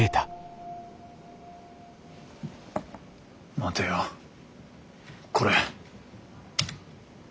待てよこれ。